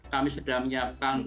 kami sudah menyiapkan